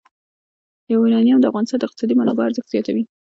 یورانیم د افغانستان د اقتصادي منابعو ارزښت زیاتوي.